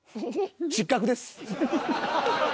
失格です。